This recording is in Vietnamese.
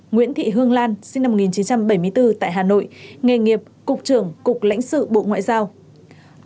nguyễn thị hương lan sinh năm một nghìn chín trăm bảy mươi bốn tại hà nội nghề nghiệp cục trưởng cục lãnh sự bộ ngoại giao